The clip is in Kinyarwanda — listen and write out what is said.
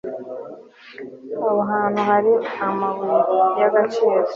aho hantu hari amabuye y'agaciro